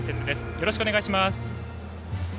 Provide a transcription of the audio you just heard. よろしくお願いします。